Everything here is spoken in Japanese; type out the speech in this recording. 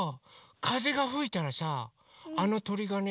かぜがふいたらさあのとりがね